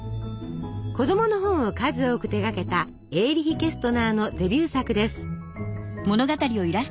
子どもの本を数多く手がけたエーリヒ・ケストナーのデビュー作です。